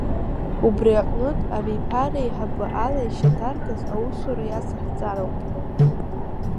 Убри аҟнытә, абиԥара еиҳабы ала ишьаҭаркыз аусура иацаҳҵароуп.